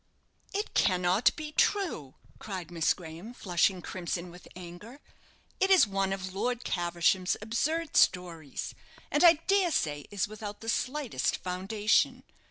"It cannot be true," cried Miss Graham, flushing crimson with anger. "It is one of Lord Caversham's absurd stories; and I dare say is without the slightest foundation.